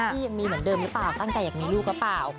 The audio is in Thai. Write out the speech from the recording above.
พี่ยังมีเหมือนเดิมหรือเปล่าตั้งใจอยากมีลูกหรือเปล่า